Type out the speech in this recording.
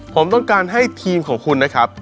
ผมต้องการให้ทีมของคุณนะครับ